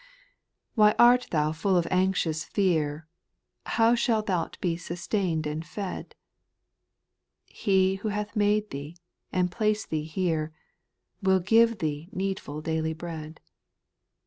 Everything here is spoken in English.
/ 6. / Why art thou full of anxious fear How thou shale be sustained and fed ? He who hath made, and placed thee here, Will give thee needful daily bread.